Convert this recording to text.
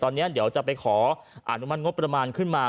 ตอนนี้เดี๋ยวจะไปขออนุมัติงบประมาณขึ้นมา